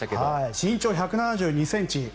身長１７２ｃｍ。